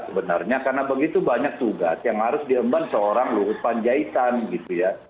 sebenarnya karena begitu banyak tugas yang harus diemban seorang luhut panjaitan gitu ya